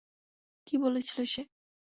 কী বলছিল সে?